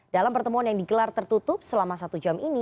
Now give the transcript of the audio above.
dalam pertemuan yang digelar tertutup selama satu jam ini